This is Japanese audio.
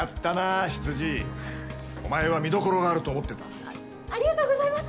お前は見どころがあると思っあっありがとうございます。